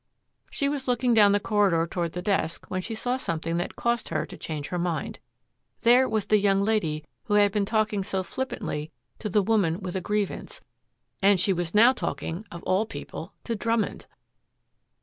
She was looking down the corridor toward the desk when she saw something that caused her to change her mind. There was the young lady who had been talking so flippantly to the woman with a grievance, and she was now talking, of all people, to Drummond!